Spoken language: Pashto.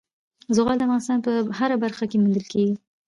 زغال د افغانستان په هره برخه کې موندل کېږي.